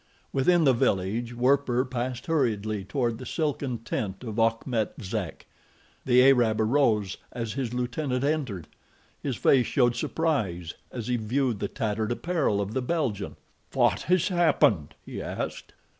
Within the village Werper passed hurriedly toward the silken tent of Achmet Zek. The Arab arose as his lieutenant entered. His face showed surprise as he viewed the tattered apparel of the Belgian. "What has happened?" he asked.